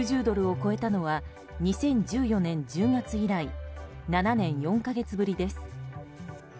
９０ドルを超えたのは２０１４年１０月以来７年４か月ぶりです。